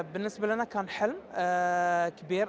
bagi kami ini adalah mimpi besar